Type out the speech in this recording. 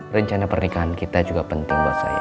rencana pernikahan kita juga penting buat saya